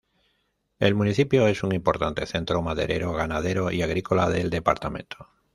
El municipio es un importante centro maderero, ganadero y agrícola del departamento.